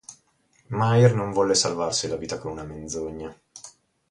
Mayr non volle salvarsi la vita con una menzogna.